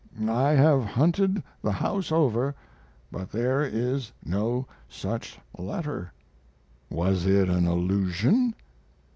I have hunted the house over, but there is no such letter. Was it an illusion?